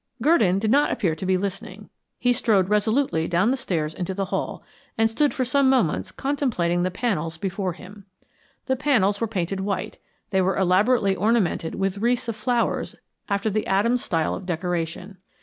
Gurdon did not appear to be listening. He strode resolutely down the stairs into the hall and stood for some moments contemplating the panels before him. The panels were painted white; they were elaborately ornamented with wreaths of flowers after the Adams' style of decoration.